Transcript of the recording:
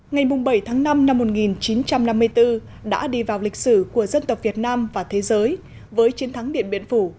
ngày bảy năm một nghìn chín trăm năm mươi bốn đã đi vào lịch sử của dân tộc việt nam và thế giới với chiến thắng điện biển phủ